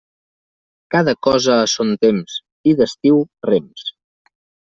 Cada cosa a son temps, i d'estiu rems.